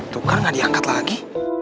tuh kan gak diangkat lagi